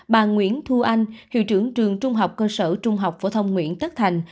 bà nguyễn thu anh hiệu trưởng trường trung học cơ sở trung học phổ thông nguyễn tất thành